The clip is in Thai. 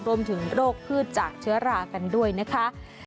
รวมถึงโรคพืชจากเชื้อหลากันด้วยนะคะ